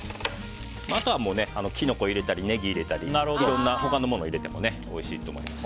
あとは、キノコを入れたりネギを入れたりいろんな他のものを入れてもおいしいと思います。